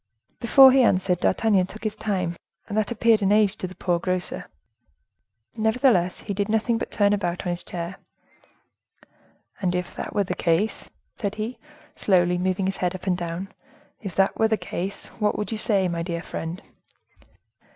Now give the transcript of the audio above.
Before he answered, D'Artagnan took his time, and that appeared an age to the poor grocer. Nevertheless he did nothing but turn about on his chair. "And if that were the case," said he, slowly, moving his head up and down, "if that were the case, what would you say, my dear friend?"